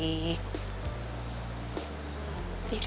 kita bisa ke tempat yang lebih baik